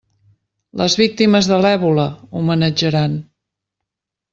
Les víctimes de l'èbola, homenatjaran!